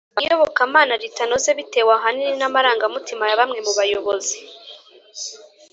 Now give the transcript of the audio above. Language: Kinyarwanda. iyobokamana ritanoze bitewe ahanini n amarangamutima ya bamwe mu bayobozi